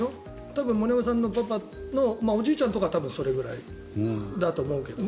多分、森山さんのパパとかおじいちゃんとか多分、それぐらいだと思うけど。